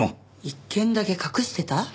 １件だけ隠してた？